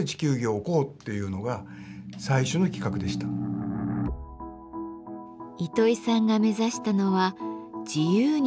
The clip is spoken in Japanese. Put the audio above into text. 糸井さんが目指したのは自由に遊べる地球儀。